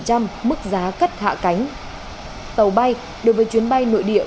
các mức giá dịch vụ cất hạ cánh máy bay đối với các chuyến bay nội địa